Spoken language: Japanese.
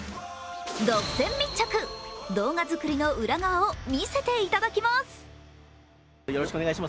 独占密着、動画作りの裏側を見せていただきます。